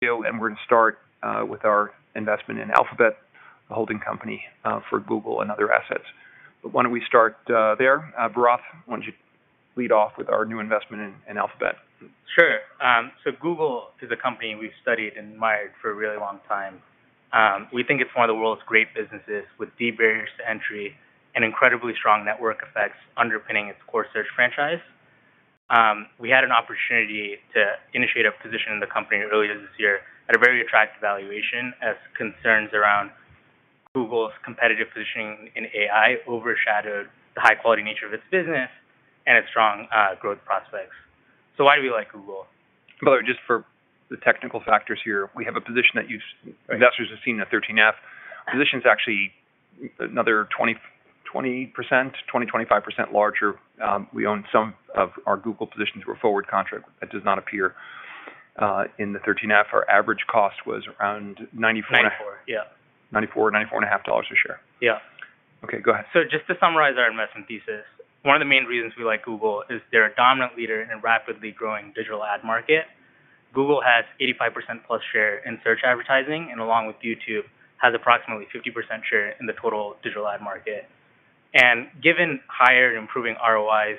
We're gonna start with our investment in Alphabet, the holding company for Google and other assets. Why don't we start there? Bharath, why don't you lead off with our new investment in Alphabet? Sure. Google is a company we've studied and admired for a really long time. We think it's one of the world's great businesses with deep barriers to entry and incredibly strong network effects underpinning its core search franchise. We had an opportunity to initiate a position in the company earlier this year at a very attractive valuation as concerns around Google's competitive positioning in AI overshadowed the high-quality nature of its business and its strong growth prospects. Why do we like Google? Just for the technical factors here, we have a position that investors have seen the Form 13F. Position's actually another 20%, 25% larger. We own some of our Google positions were forward contract. That does not appear in the Form 13F. Our average cost was around ninety-four- 94. Yeah. $94, $94 and a half dollars a share. Yeah. Okay, go ahead. just to summarize our investment thesis, one of the main reasons we like Google is they're a dominant leader in a rapidly growing digital ad market. Google has 85%+ share in search advertising, along with YouTube, has approximately 50% share in the total digital ad market. Given higher improving ROIs,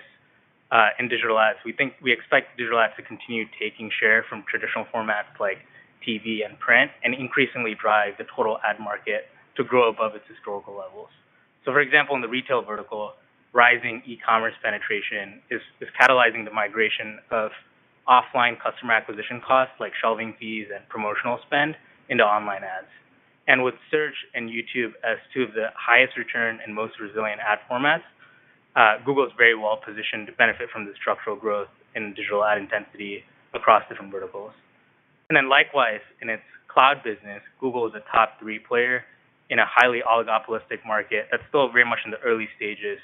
in digital ads, we expect digital ads to continue taking share from traditional formats like TV and print, and increasingly drive the total ad market to grow above its historical levels. For example, in the retail vertical, rising e-commerce penetration is catalyzing the migration of offline customer acquisition costs, like shelving fees and promotional spend, into online ads. With Search and YouTube as two of the highest return and most resilient ad formats, Google is very well positioned to benefit from the structural growth in digital ad intensity across different verticals. Likewise, in its Cloud business, Google is a top three player in a highly oligopolistic market that's still very much in the early stages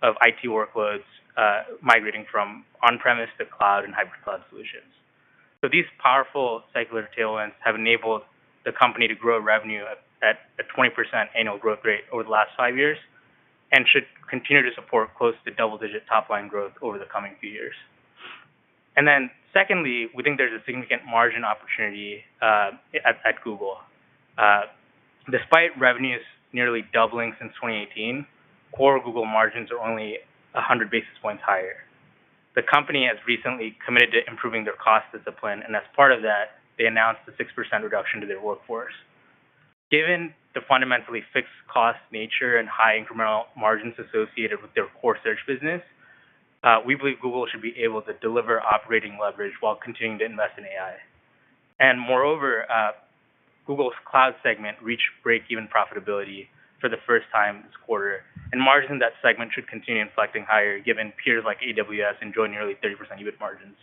of IT workloads migrating from on-premise to cloud and hybrid cloud solutions. These powerful secular tailwinds have enabled the company to grow revenue at a 20% annual growth rate over the last five years, and should continue to support close to double-digit top-line growth over the coming few years. Secondly, we think there's a significant margin opportunity at Google. Despite revenues nearly doubling since 2018, core Google margins are only 100 basis points higher. The company has recently committed to improving their cost discipline, and as part of that, they announced a 6% reduction to their workforce. Given the fundamentally fixed cost nature and high incremental margins associated with their core search business, we believe Google should be able to deliver operating leverage while continuing to invest in AI. Moreover, Google Cloud segment reached break-even profitability for the first time this quarter, and margin in that segment should continue inflecting higher given peers like AWS enjoying nearly 30% EBIT margins.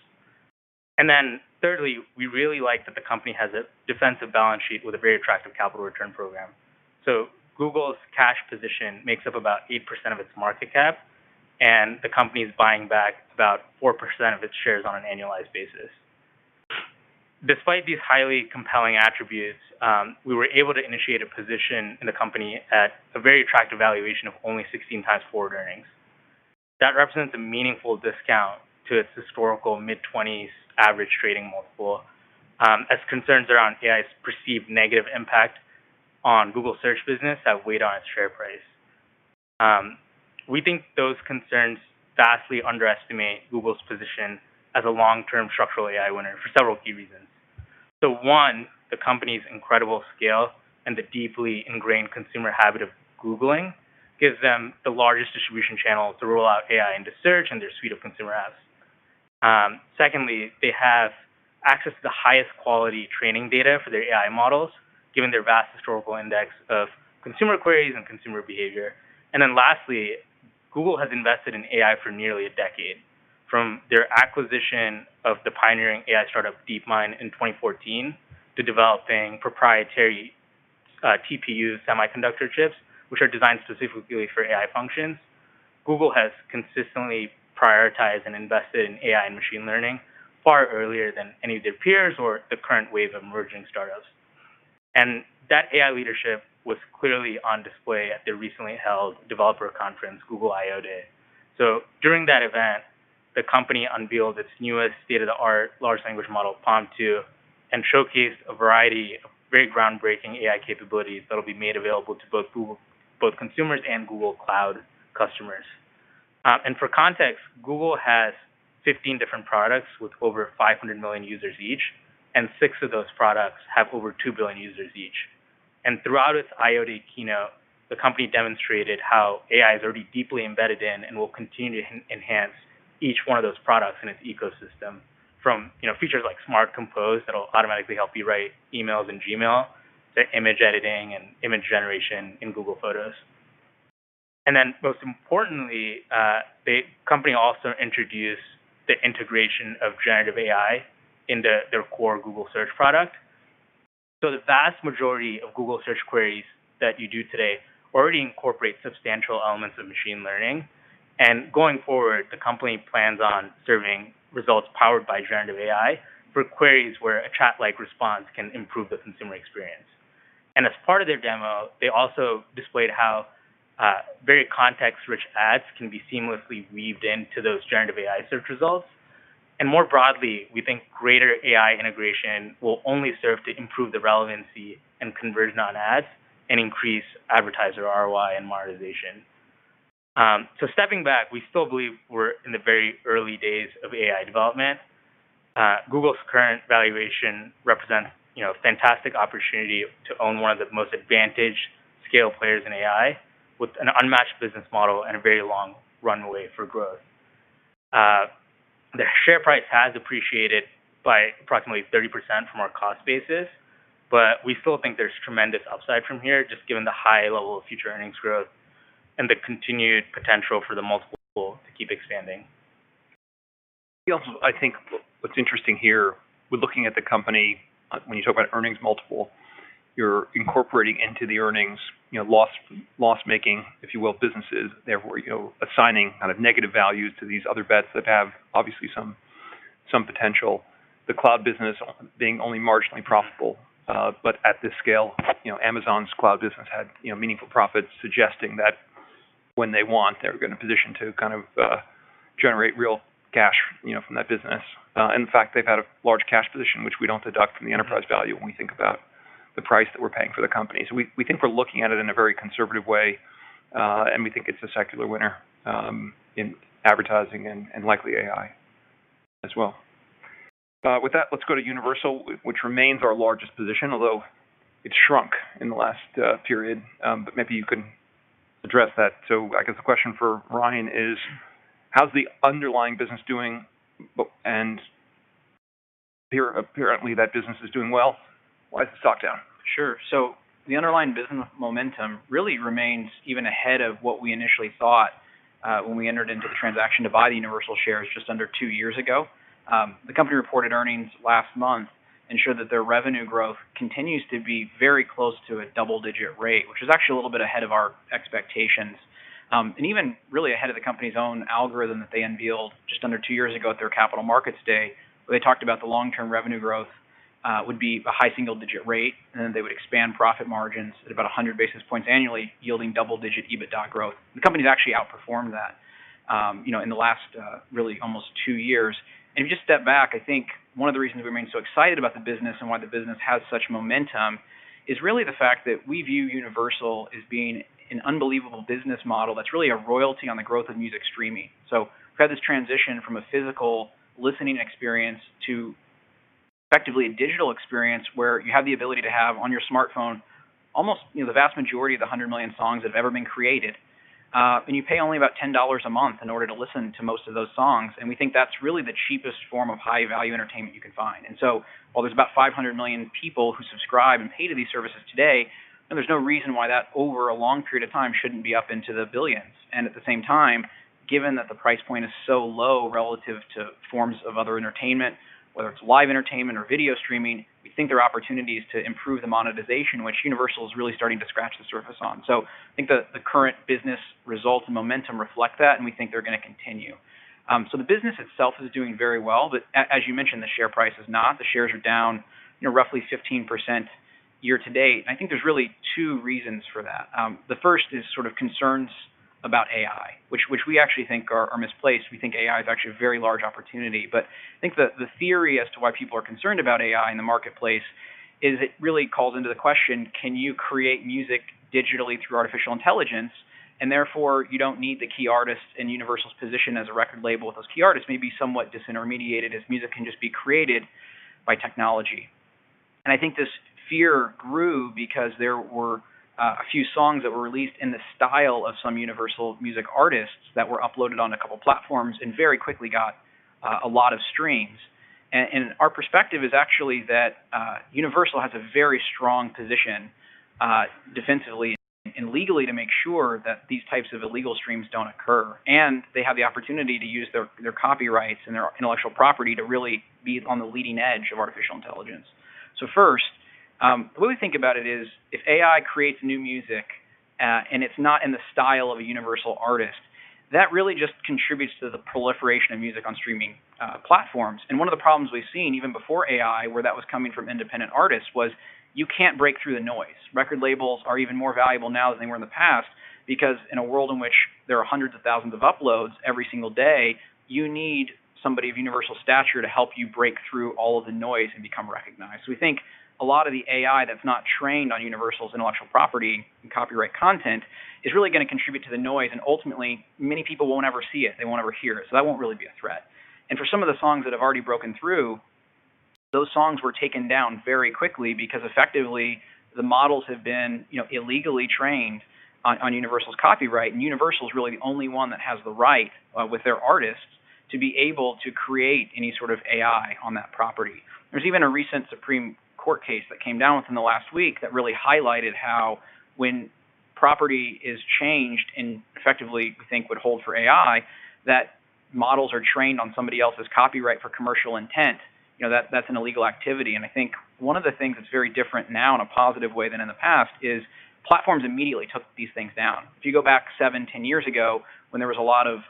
Thirdly, we really like that the company has a defensive balance sheet with a very attractive capital return program. Google's cash position makes up about 8% of its market cap, and the company's buying back about 4% of its shares on an annualized basis. Despite these highly compelling attributes, we were able to initiate a position in the company at a very attractive valuation of only 16 times forward earnings. That represents a meaningful discount to its historical mid-20s average trading multiple, as concerns around AI's perceived negative impact on Google Search business have weighed on its share price. We think those concerns vastly underestimate Google's position as a long-term structural AI winner for several key reasons. 1, the company's incredible scale and the deeply ingrained consumer habit of Googling gives them the largest distribution channel to roll out AI into Search and their suite of consumer apps. Secondly, they have access to the highest quality training data for their AI models, given their vast historical index of consumer queries and consumer behavior. Lastly, Google has invested in AI for nearly a decade, from their acquisition of the pioneering AI startup DeepMind in 2014 to developing proprietary TPU semiconductor chips, which are designed specifically for AI functions. Google has consistently prioritized and invested in AI and machine learning far earlier than any of their peers or the current wave of emerging startups. That AI leadership was clearly on display at their recently held developer conference, Google I/O Day. During that event, the company unveiled its newest state-of-the-art large language model, PaLM 2, and showcased a variety of very groundbreaking AI capabilities that will be made available to both consumers and Google Cloud customers. For context, Google has 15 different products with over 500 million users each, and 6 of those products have over 2 billion users each. Throughout its Google I/O day keynote, the company demonstrated how AI is already deeply embedded in and will continue to enhance each one of those products in its ecosystem from, you know, features like Smart Compose that'll automatically help you write emails in Gmail to image editing and image generation in Google Photos. Then most importantly, the company also introduced the integration of generative AI into their core Google Search product. The vast majority of Google Search queries that you do today already incorporate substantial elements of machine learning. Going forward, the company plans on serving results powered by generative AI for queries where a chat-like response can improve the consumer experience. As part of their demo, they also displayed how Very context-rich ads can be seamlessly weaved into those generative AI search results. More broadly, we think greater AI integration will only serve to improve the relevancy and conversion on ads and increase advertiser ROI and monetization. Stepping back, we still believe we're in the very early days of AI development. Google's current valuation represents, you know, fantastic opportunity to own one of the most advantaged scale players in AI with an unmatched business model and a very long runway for growth. The share price has appreciated by approximately 30% from our cost basis, but we still think there's tremendous upside from here, just given the high level of future earnings growth and the continued potential for the multiple to keep expanding. I think what's interesting here with looking at the company, when you talk about earnings multiple, you're incorporating into the earnings, you know, loss making, if you will, businesses, therefore, you know, assigning kind of negative values to these other bets that have obviously some potential. The cloud business being only marginally profitable, but at this scale, you know, Amazon's cloud business had, you know, meaningful profits suggesting that when they want, they're going to position to kind of generate real cash, you know, from that business. In fact, they've had a large cash position, which we don't deduct from the enterprise value when we think about the price that we're paying for the company. We think we're looking at it in a very conservative way, and we think it's a secular winner in advertising and likely AI as well. With that, let's go to Universal, which remains our largest position, although it's shrunk in the last period, but maybe you can address that. I guess the question for Ryan is, how's the underlying business doing? Apparently that business is doing well. Why is the stock down? Sure. The underlying business momentum really remains even ahead of what we initially thought when we entered into the transaction to buy the Universal shares just under 2 years ago. The company reported earnings last month and showed that their revenue growth continues to be very close to a double-digit rate, which is actually a little bit ahead of our expectations. Even really ahead of the company's own algorithm that they unveiled just under 2 years ago at their Capital Markets Day, where they talked about the long-term revenue growth would be a high single-digit rate, and then they would expand profit margins at about 100 basis points annually, yielding double-digit EBITDA growth. The company has actually outperformed that in the last really almost 2 years. If you just step back, I think one of the reasons we remain so excited about the business and why the business has such momentum is really the fact that we view Universal as being an unbelievable business model that's really a royalty on the growth of music streaming. We've had this transition from a physical listening experience to effectively a digital experience where you have the ability to have on your smartphone almost the vast majority of the 100 million songs that have ever been created. You pay only about $10 a month in order to listen to most of those songs. We think that's really the cheapest form of high-value entertainment you can find. While there's about 500 million people who subscribe and pay to these services today, there's no reason why that over a long period of time shouldn't be up into the billions. At the same time, given that the price point is so low relative to forms of other entertainment, whether it's live entertainment or video streaming, we think there are opportunities to improve the monetization, which Universal is really starting to scratch the surface on. I think the current business results and momentum reflect that, and we think they're going to continue. The business itself is doing very well. As you mentioned, the share price is not. The shares are down roughly 15% year to date. I think there's really two reasons for that. The first is sort of concerns about AI, which we actually think are misplaced. We think AI is actually a very large opportunity. I think the theory as to why people are concerned about AI in the marketplace is it really calls into the question, can you create music digitally through artificial intelligence? Therefore, you don't need the key artists in Universal's position as a record label with those key artists may be somewhat disintermediated as music can just be created by technology. I think this fear grew because there were a few songs that were released in the style of some Universal Music artists that were uploaded on a couple platforms and very quickly got a lot of streams. Our perspective is actually that Universal has a very strong position defensively and legally to make sure that these types of illegal streams don't occur. They have the opportunity to use their copyrights and their intellectual property to really be on the leading edge of artificial intelligence. First, the way we think about it is if AI creates new music and it's not in the style of a Universal artist, that really just contributes to the proliferation of music on streaming platforms. One of the problems we've seen even before AI, where that was coming from independent artists was you can't break through the noise. Record labels are even more valuable now than they were in the past, because in a world in which there are hundreds of thousands of uploads every single day, you need somebody of Universal stature to help you break through all of the noise and become recognized. We think a lot of the AI that's not trained on Universal's intellectual property and copyright content is really going to contribute to the noise. Ultimately, many people won't ever see it. They won't ever hear it. That won't really be a threat. For some of the songs that have already broken through, those songs were taken down very quickly because effectively the models have been illegally trained on Universal's copyright. Universal is really the only one that has the right with their artists to be able to create any sort of AI on that property. There's even a recent Supreme Court case that came down within the last week that really highlighted how when property is changed and effectively we think would hold for AI, that models are trained on somebody else's copyright for commercial intent. That's an illegal activity. I think one of the things that's very different now in a positive way than in the past is platforms immediately took these things down. If you go back seven, 10 years ago, when there was a lot of,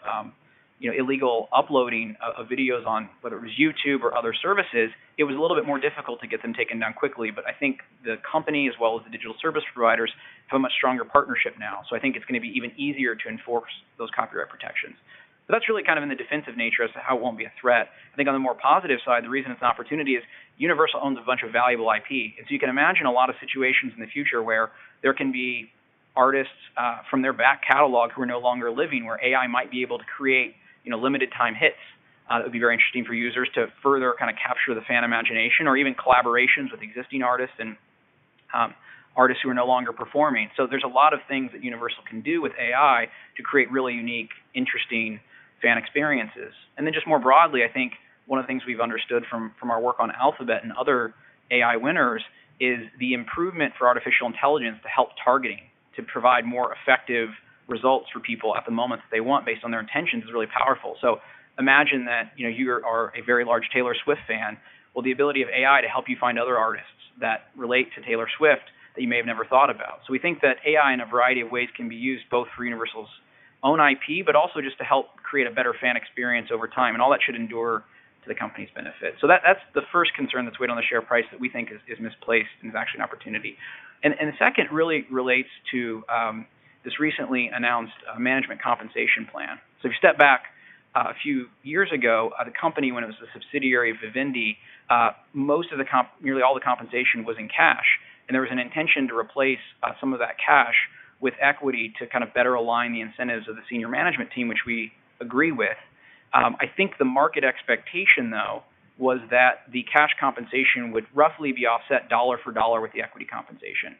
you know, illegal uploading of videos on whether it was YouTube or other services, it was a little bit more difficult to get them taken down quickly. I think the company as well as the digital service providers have a much stronger partnership now. I think it's gonna be even easier to enforce those copyright protections. That's really kind of in the defensive nature as to how it won't be a threat. I think on the more positive side, the reason it's an opportunity is Universal owns a bunch of valuable IP. You can imagine a lot of situations in the future where there can be artists, from their back catalog who are no longer living, where AI might be able to create, you know, limited time hits. That would be very interesting for users to further kind of capture the fan imagination or even collaborations with existing artists and, artists who are no longer performing. There's a lot of things that Universal can do with AI to create really unique, interesting fan experiences. Just more broadly, I think one of the things we've understood from our work on Alphabet and other AI winners is the improvement for artificial intelligence to help targeting, to provide more effective results for people at the moment they want based on their intentions is really powerful. Imagine that, you know, you are a very large Taylor Swift fan. The ability of AI to help you find other artists that relate to Taylor Swift that you may have never thought about. We think that AI in a variety of ways can be used both for Universal's own IP, but also just to help create a better fan experience over time. All that should endure to the company's benefit. That, that's the first concern that's weighed on the share price that we think is misplaced and is actually an opportunity. The second really relates to this recently announced management compensation plan. If you step back a few years ago, the company, when it was a subsidiary of Vivendi, nearly all the compensation was in cash. There was an intention to replace some of that cash with equity to kind of better align the incentives of the senior management team, which we agree with. I think the market expectation, though, was that the cash compensation would roughly be offset dollar for dollar with the equity compensation.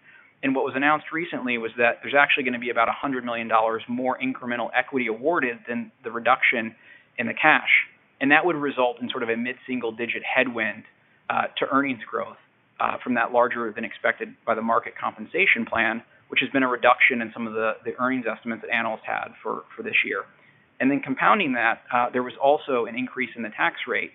What was announced recently was that there's actually gonna be about $100 million more incremental equity awarded than the reduction in the cash. That would result in sort of a mid-single digit headwind to earnings growth from that larger than expected by the market compensation plan, which has been a reduction in some of the earnings estimates that analysts had for this year. Compounding that, there was also an increase in the tax rate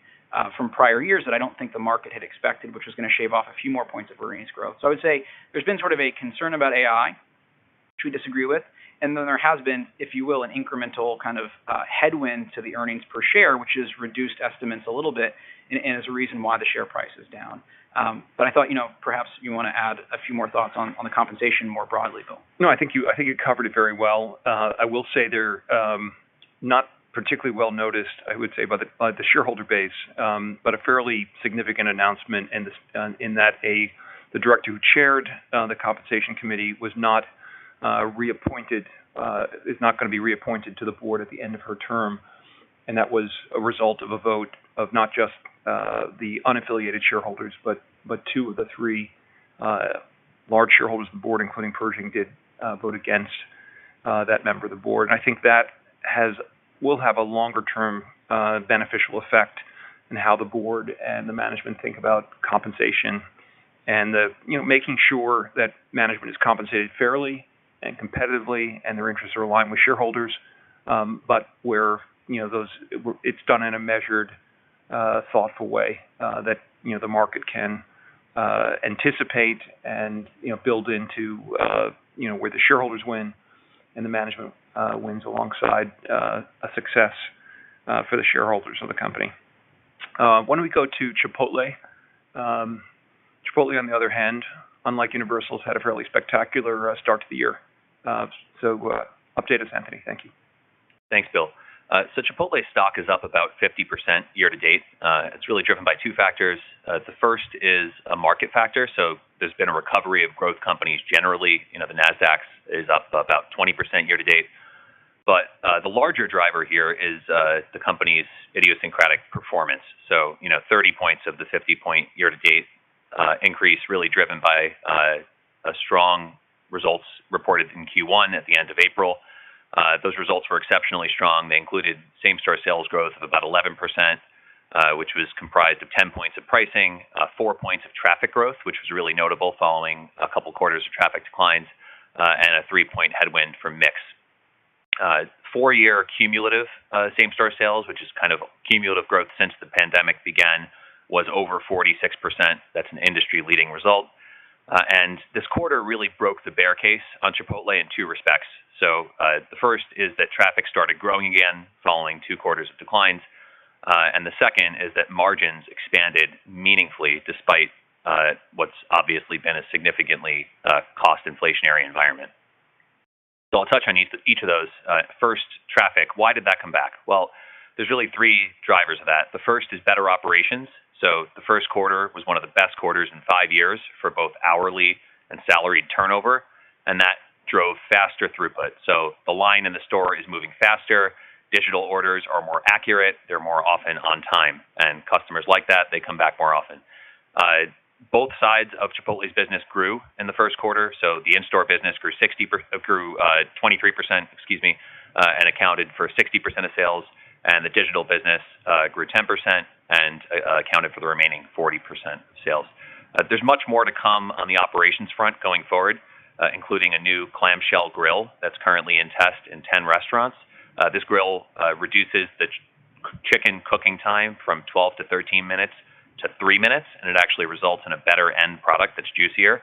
from prior years that I don't think the market had expected, which was gonna shave off a few more points of earnings growth. I would say there's been sort of a concern about AI, which we disagree with. There has been, if you will, an incremental kind of headwind to the earnings per share, which has reduced estimates a little bit and is a reason why the share price is down. I thought, you know, perhaps you wanna add a few more thoughts on the compensation more broadly, Bill. No, I think you, I think you covered it very well. I will say they're not particularly well-noticed, I would say by the shareholder base, but a fairly significant announcement in that the director who chaired the compensation committee was not reappointed, is not gonna be reappointed to the board at the end of her term. That was a result of a vote of not just the unaffiliated shareholders, but two of the three large shareholders of the board, including Pershing did vote against that member of the board. I think that will have a longer term beneficial effect in how the board and the management think about compensation and the, you know, making sure that management is compensated fairly and competitively and their interests are aligned with shareholders. Where, you know, it's done in a measured, thoughtful way, that, you know, the market can anticipate and, you know, build into, you know, where the shareholders win and the management wins alongside a success for the shareholders of the company. Why don't we go to Chipotle? Chipotle, on the other hand, unlike Universal's, had a fairly spectacular start to the year. Update us, Anthony. Thank you. Thanks, Bill. Chipotle stock is up about 50% year-to-date. It's really driven by 2 factors. The first is a market factor. There's been a recovery of growth companies generally. You know, the Nasdaq is up about 20% year-to-date. The larger driver here is the company's idiosyncratic performance. You know, 30 points of the 50-point year-to-date increase really driven by strong results reported in Q1 at the end of April. Those results were exceptionally strong. They included same-store sales growth of about 11%, which was comprised of 10 points of pricing, 4 points of traffic growth, which was really notable following a couple quarters of traffic declines, and a 3-point headwind from mix. Four-year cumulative same-store sales, which is kind of cumulative growth since the pandemic began, was over 46%. That's an industry-leading result. This quarter really broke the bear case on Chipotle in two respects. The first is that traffic started growing again following two quarters of declines. The second is that margins expanded meaningfully despite what's obviously been a significantly cost-inflationary environment. I'll touch on each of those. First traffic. Why did that come back? Well, there's really three drivers of that. The first is better operations. The Q1 was one of the best quarters in five years for both hourly and salaried turnover, and that drove faster throughput. The line in the store is moving faster. Digital orders are more accurate. They're more often on time, customers like that, they come back more often. Both sides of Chipotle's business grew in the Q1. The in-store business grew 23%, excuse me, and accounted for 60% of sales. The digital business grew 10% and accounted for the remaining 40% of sales. There's much more to come on the operations front going forward, including a new clamshell grill that's currently in test in 10 restaurants. This grill reduces the Chicken cooking time from 12 to 13 minutes to 3 minutes, it actually results in a better end product that's juicier.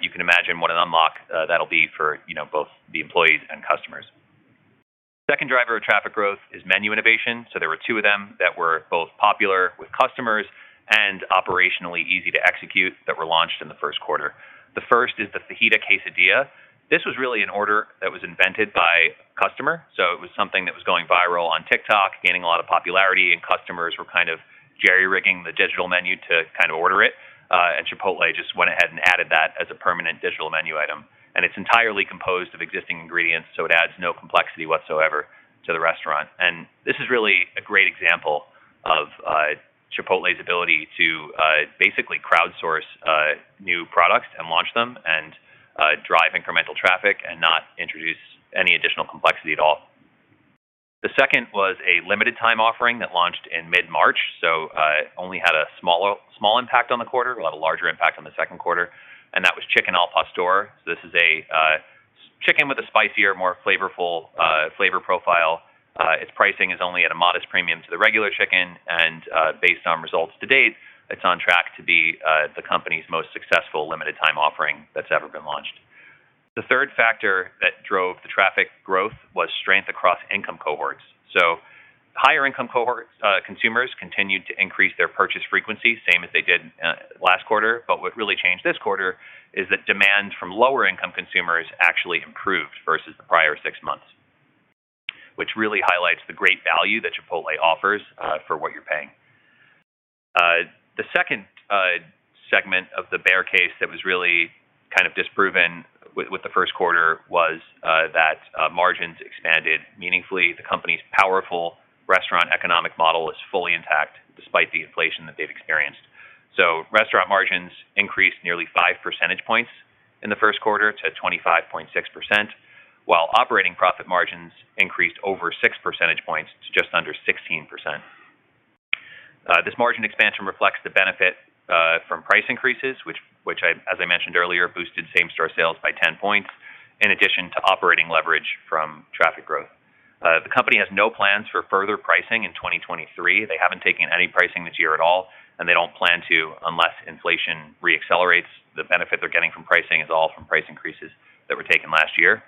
You can imagine what an unlock that'll be for, you know, both the employees and customers. Second driver of traffic growth is menu innovation. There were 2 of them that were both popular with customers and operationally easy to execute that were launched in the Q1. The first is the Fajita Quesadilla. This was really an order that was invented by a customer. It was something that was going viral on TikTok, gaining a lot of popularity, and customers were kind of jerry-rigging the digital menu to kind of order it. Chipotle just went ahead and added that as a permanent digital menu item. It's entirely composed of existing ingredients, so it adds no complexity whatsoever to the restaurant. This is really a great example of Chipotle's ability to basically crowdsource new products and launch them and drive incremental traffic and not introduce any additional complexity at all. The second was a limited time offering that launched in mid-March, so only had a small impact on the quarter. We'll have a larger impact on the Q2. That was Chicken al Pastor. This is a chicken with a spicier, more flavorful flavor profile. Its pricing is only at a modest premium to the regular chicken. Based on results to date, it's on track to be the company's most successful limited time offering that's ever been launched. The third factor that drove the traffic growth was strength across income cohorts. Higher income cohorts, consumers continued to increase their purchase frequency, same as they did last quarter. What really changed this quarter is that demand from lower income consumers actually improved versus the prior six months, which really highlights the great value that Chipotle offers for what you're paying. The second segment of the bear case that was really kind of disproven with the Q1 was that margins expanded meaningfully. The company's powerful restaurant economic model is fully intact despite the inflation that they've experienced. Restaurant margins increased nearly 5 percentage points in the Q1 to 25.6%, while operating profit margins increased over 6 percentage points to just under 16%. This margin expansion reflects the benefit from price increases, as I mentioned earlier, boosted same-store sales by 10 points in addition to operating leverage from traffic growth. The company has no plans for further pricing in 2023. They haven't taken any pricing this year at all, and they don't plan to unless inflation re-accelerates. The benefit they're getting from pricing is all from price increases that were taken last year.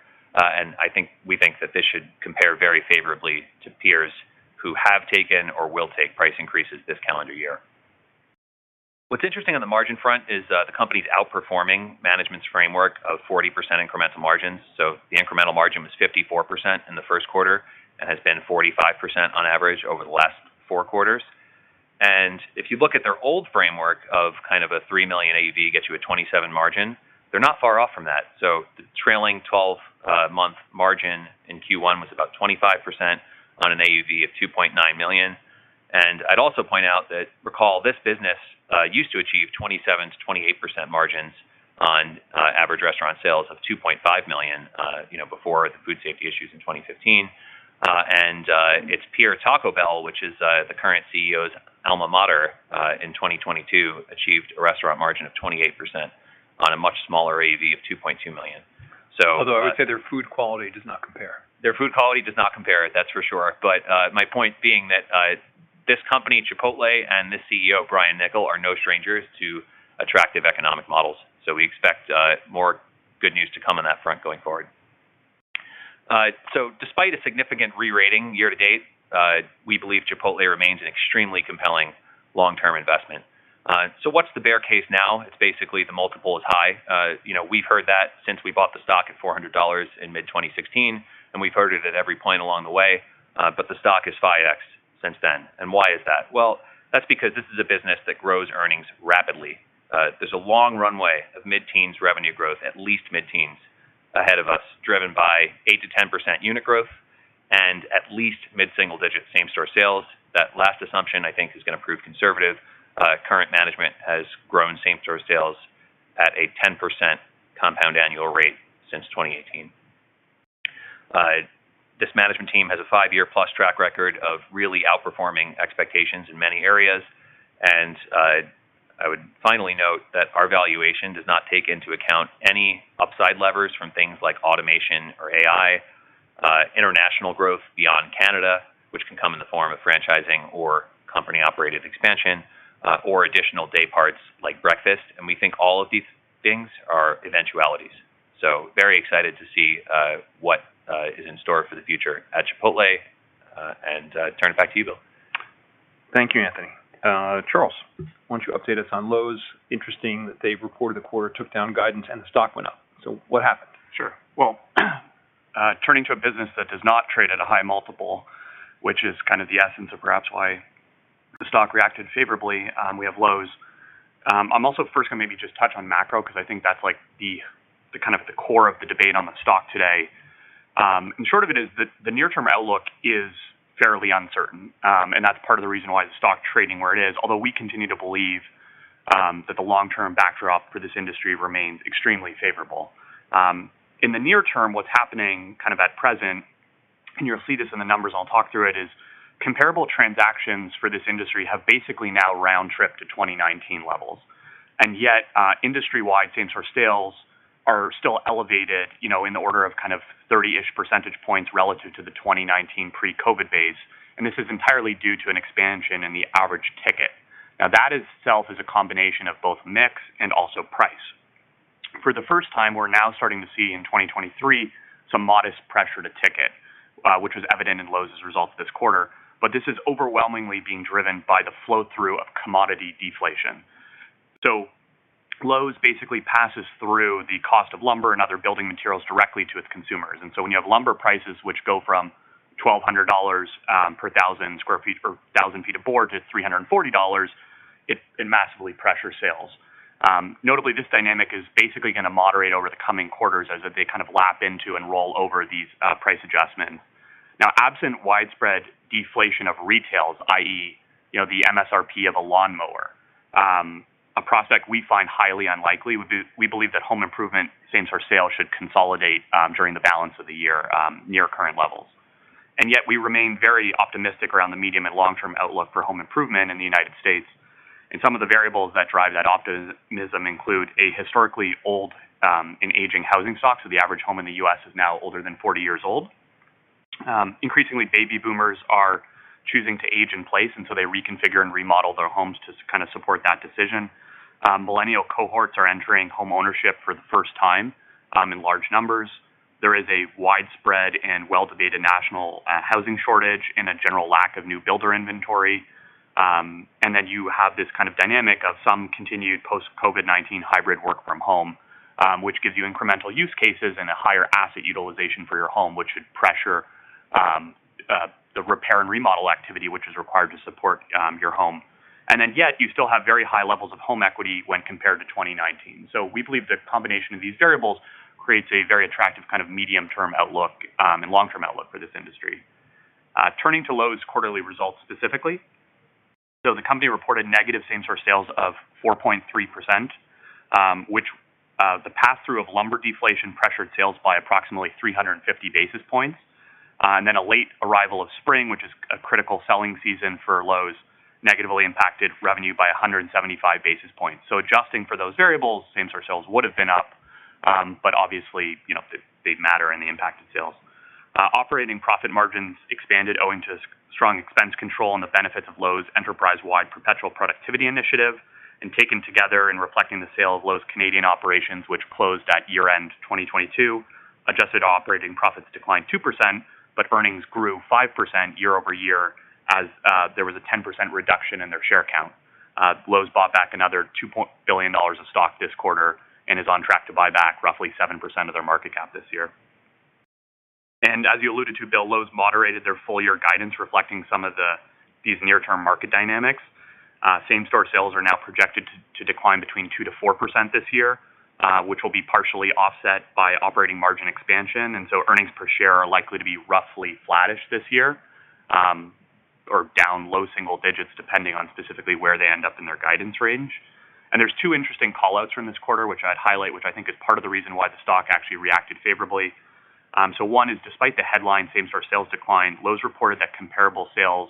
We think that this should compare very favorably to peers who have taken or will take price increases this calendar year. What's interesting on the margin front is the company's outperforming management's framework of 40% incremental margins. The incremental margin was 54% in the Q1 and has been 45% on average over the last four quarters. If you look at their old framework of kind of a $3 million AUV gets you a 27% margin, they're not far off from that. The trailing 12 month margin in Q1 was about 25% on an AUV of $2.9 million. I'd also point out that recall, this business used to achieve 27%-28% margins on average restaurant sales of $2.5 million, you know, before the food safety issues in 2015. Its peer Taco Bell, which is the current CEO's alma mater, in 2022, achieved a restaurant margin of 28% on a much smaller AUV of $2.2 million. I would say their food quality does not compare. Their food quality does not compare, that's for sure. My point being that this company, Chipotle, and this CEO, Brian Niccol, are no strangers to attractive economic models. We expect more good news to come on that front going forward. Despite a significant re-rating year to date, we believe Chipotle remains an extremely compelling long-term investment. What's the bear case now? It's basically the multiple is high. You know, we've heard that since we bought the stock at $400 in mid-2016, and we've heard it at every point along the way. The stock is 5x since then. Why is that? Well, that's because this is a business that grows earnings rapidly. There's a long runway of mid-teens revenue growth, at least mid-teens ahead of us, driven by 8%-10% unit growth and at least mid-single digit same-store sales. That last assumption I think is gonna prove conservative. Current management has grown same-store sales at a 10% compound annual rate since 2018. This management team has a 5-year+ track record of really outperforming expectations in many areas. I would finally note that our valuation does not take into account any upside levers from things like automation or AI, international growth beyond Canada, which can come in the form of franchising or company-operated expansion, or additional day parts like breakfast. We think all of these things are eventualities. Very excited to see what is in store for the future at Chipotle. Turn it back to you, Bill. Thank you, Tony Asnes. Charles, why don't you update us on Lowe's. Interesting that they've reported a quarter, took down guidance, the stock went up. What happened? Sure. Well, turning to a business that does not trade at a high multiple, which is kind of the essence of perhaps why the stock reacted favorably, we have Lowe's. I'm also first gonna maybe just touch on macro because I think that's like the kind of the core of the debate on the stock today. Short of it is the near-term outlook is fairly uncertain. That's part of the reason why the stock trading where it is, although we continue to believe that the long-term backdrop for this industry remains extremely favorable. In the near term, what's happening kind of at present, and you'll see this in the numbers, I'll talk through it, is comparable transactions for this industry have basically now round trip to 2019 levels. Yet, industry-wide same store sales are still elevated, you know, in the order of kind of 30-ish percentage points relative to the 2019 pre-COVID-19 base. This is entirely due to an expansion in the average ticket. Now, that itself is a combination of both mix and also price. For the first time, we're now starting to see in 2023 some modest pressure to ticket, which was evident in Lowe's results this quarter. This is overwhelmingly being driven by the flow-through of commodity deflation. Lowe's basically passes through the cost of lumber and other building materials directly to its consumers. When you have lumber prices which go from $1,200 per 1,000 sq ft or 1,000 feet of board to $340, it massively pressures sales. Notably, this dynamic is basically gonna moderate over the coming quarters as they kind of lap into and roll over these price adjustments. Now, absent widespread deflation of retails, i.e., you know, the MSRP of a lawnmower, a prospect we find highly unlikely. We believe that home improvement same store sales should consolidate during the balance of the year near current levels. Yet we remain very optimistic around the medium and long-term outlook for home improvement in the United States. Some of the variables that drive that optimism include a historically old and aging housing stock. The average home in the U.S. is now older than 40 years old. Increasingly, baby boomers are choosing to age in place, and so they reconfigure and remodel their homes to kind of support that decision. Millennial cohorts are entering homeownership for the first time, in large numbers. There is a widespread and well-debated national housing shortage and a general lack of new builder inventory. Then you have this kind of dynamic of some continued post COVID-19 hybrid work from home, which gives you incremental use cases and a higher asset utilization for your home, which should pressure the repair and remodel activity which is required to support your home. Yet you still have very high levels of home equity when compared to 2019. We believe the combination of these variables creates a very attractive kind of medium-term outlook and long-term outlook for this industry. Turning to Lowe's quarterly results specifically. The company reported negative same store sales of 4.3%, which the pass-through of lumber deflation pressured sales by approximately 350 basis points. A late arrival of spring, which is a critical selling season for Lowe's, negatively impacted revenue by 175 basis points. Adjusting for those variables, same store sales would have been up, obviously, you know, they matter in the impact of sales. Operating profit margins expanded owing to strong expense control and the benefits of Lowe's enterprise-wide perpetual productivity initiative. Taken together and reflecting the sale of Lowe's Canadian operations, which closed at year-end 2022, adjusted operating profits declined 2%, but earnings grew 5% year-over-year as there was a 10% reduction in their share count. Lowe's bought back another $2 billion of stock this quarter and is on track to buy back roughly 7% of their market cap this year. As you alluded to, Bill, Lowe's moderated their full year guidance, reflecting these near term market dynamics. Same store sales are now projected to decline between 2%-4% this year, which will be partially offset by operating margin expansion. Earnings per share are likely to be roughly flattish this year, or down low single digits, depending on specifically where they end up in their guidance range. There's 2 interesting callouts from this quarter, which I'd highlight, which I think is part of the reason why the stock actually reacted favorably. 1 is, despite the headline same store sales decline, Lowe's reported that comparable sales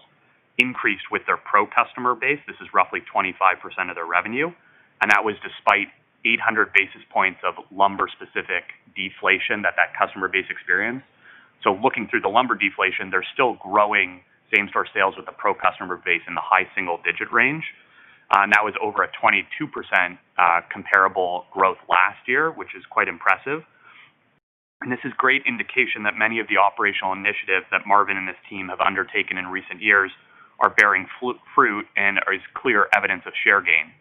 increased with their pro-customer base. This is roughly 25% of their revenue, and that was despite 800 basis points of lumber-specific deflation that that customer base experienced. Looking through the lumber deflation, they're still growing same store sales with a pro customer base in the high single digit range. That was over a 22%, comparable growth last year, which is quite impressive. This is great indication that many of the operational initiatives that Marvin and his team have undertaken in recent years are bearing fruit and is clear evidence of share gain.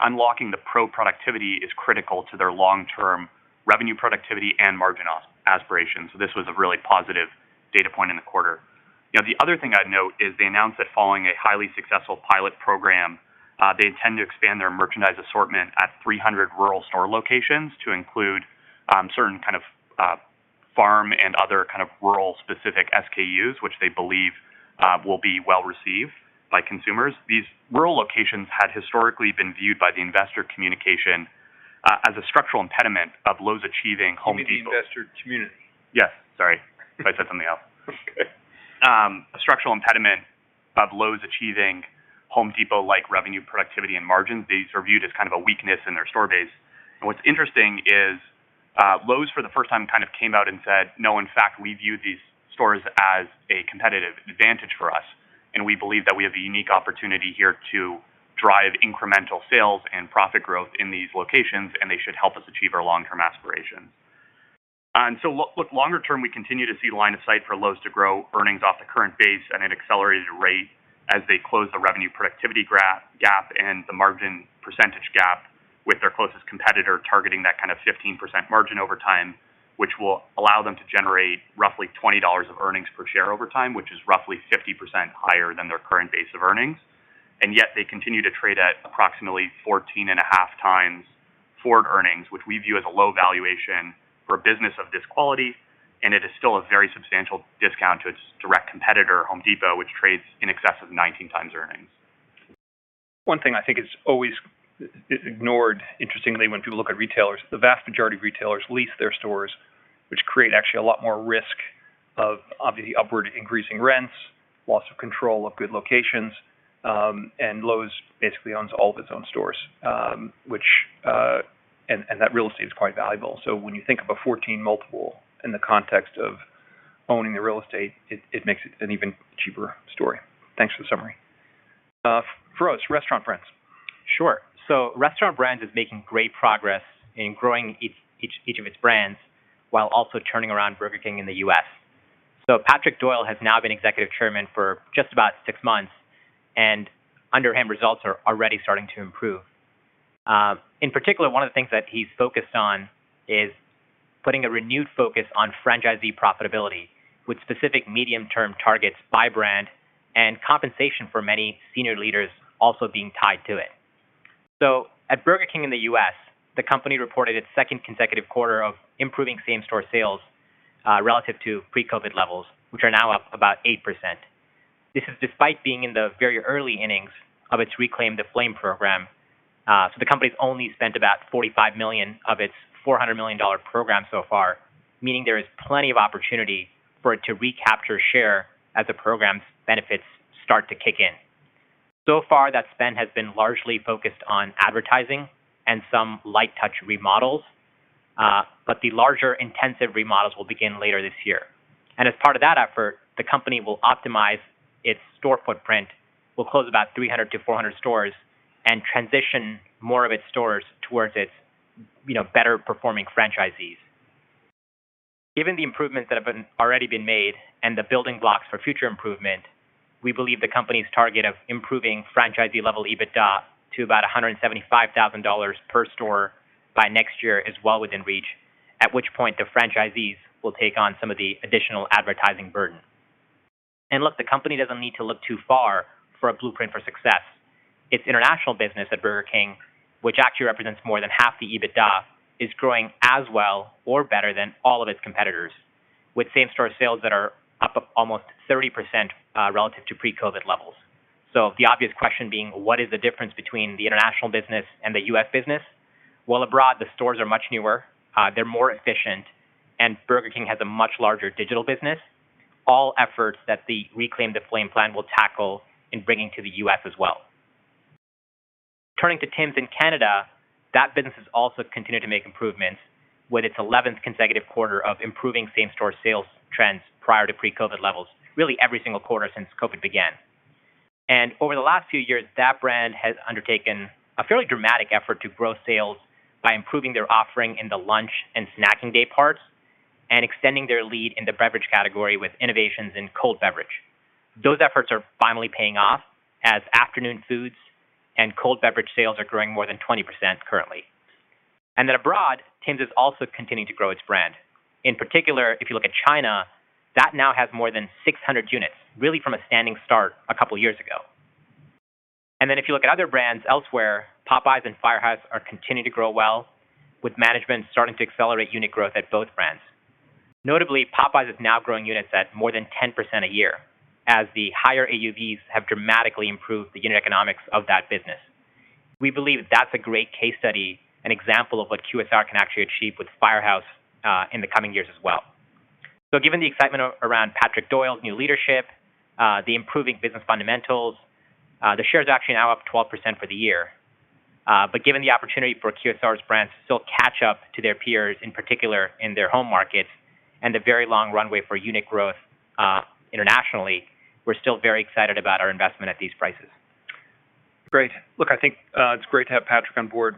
Unlocking the pro productivity is critical to their long-term revenue productivity and margin aspirations. This was a really positive data point in the quarter. You know, the other thing I'd note is they announced that following a highly successful pilot program, they intend to expand their merchandise assortment at 300 rural store locations to include certain kind of farm and other kind of rural specific SKUs, which they believe will be well-received by consumers. These rural locations had historically been viewed by the investor communication as a structural impediment of Lowe's achieving Home Depot. You mean the investor community? Yes. Sorry if I said something else. A structural impediment of Lowe's achieving Home Depot-like revenue productivity and margins. These are viewed as kind of a weakness in their store base. What's interesting is Lowe's, for the first time, kind of came out and said, "No, in fact, we view these stores as a competitive advantage for us, and we believe that we have a unique opportunity here to drive incremental sales and profit growth in these locations, and they should help us achieve our long-term aspirations." Longer term, we continue to see line of sight for Lowe's to grow earnings off the current base at an accelerated rate as they close the revenue productivity gap and the margin percentage gap with their closest competitor, targeting that kind of 15% margin over time, which will allow them to generate roughly $20 of earnings per share over time, which is roughly 50% higher than their current base of earnings. Yet they continue to trade at approximately 14.5 times forward earnings, which we view as a low valuation for a business of this quality. It is still a very substantial discount to its direct competitor, Home Depot, which trades in excess of 19 times earnings. One thing I think is always ignored, interestingly, when people look at retailers, the vast majority of retailers lease their stores, which create actually a lot more risk. Of obviously upward increasing rents, loss of control of good locations, Lowe's basically owns all of its own stores, which, and that real estate is quite valuable. When you think of a 14 multiple in the context of owning the real estate, it makes it an even cheaper story. Thanks for the summary. For us, Restaurant Brands. Sure. Restaurant Brands is making great progress in growing each of its brands while also turning around Burger King in the U.S. Patrick Doyle has now been executive chairman for just about six months, and under him, results are already starting to improve. In particular, one of the things that he's focused on is putting a renewed focus on franchisee profitability with specific medium-term targets by brand and compensation for many senior leaders also being tied to it. At Burger King in the U.S., the company reported its second consecutive quarter of improving same-store sales relative to pre-COVID levels, which are now up about 8%. This is despite being in the very early innings of its Reclaim the Flame program. The company's only spent about $45 of its $400 million program so far, meaning there is plenty of opportunity for it to recapture share as the program's benefits start to kick in. That spend has been largely focused on advertising and some light-touch remodels, but the larger intensive remodels will begin later this year. As part of that effort, the company will optimize its store footprint. We'll close about 300-400 stores and transition more of its stores towards its, you know, better-performing franchisees. Given the improvements that have already been made and the building blocks for future improvement, we believe the company's target of improving franchisee-level EBITDA to about $175,000 per store by next year is well within reach, at which point the franchisees will take on some of the additional advertising burden. Look, the company doesn't need to look too far for a blueprint for success. Its international business at Burger King, which actually represents more than half the EBITDA, is growing as well or better than all of its competitors, with same-store sales that are up almost 30% relative to pre-COVID levels. The obvious question being, what is the difference between the international business and the U.S. business? Well, abroad, the stores are much newer, they're more efficient, and Burger King has a much larger digital business. All efforts that the Reclaim the Flame plan will tackle in bringing to the U.S. as well. Turning to Tims in Canada, that business has also continued to make improvements with its eleventh consecutive quarter of improving same-store sales trends prior to pre-COVID levels, really every single quarter since COVID began. Over the last few years, that brand has undertaken a fairly dramatic effort to grow sales by improving their offering in the lunch and snacking day parts and extending their lead in the beverage category with innovations in cold beverage. Those efforts are finally paying off as afternoon foods and cold beverage sales are growing more than 20% currently. Abroad, Tims is also continuing to grow its brand. In particular, if you look at China, that now has more than 600 units, really from a standing start a couple years ago. If you look at other brands elsewhere, Popeyes and Firehouse are continuing to grow well, with management starting to accelerate unit growth at both brands. Notably, Popeyes is now growing units at more than 10% a year as the higher AUVs have dramatically improved the unit economics of that business. We believe that's a great case study, an example of what QSR can actually achieve with Firehouse in the coming years as well. Given the excitement around Patrick Doyle's new leadership, the improving business fundamentals, the share is actually now up 12% for the year. Given the opportunity for QSR's brands to still catch up to their peers, in particular in their home markets, and a very long runway for unit growth, internationally, we're still very excited about our investment at these prices. Great. Look, I think, it's great to have Patrick on board,